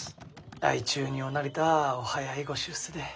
相中におなりとはお早いご出世で。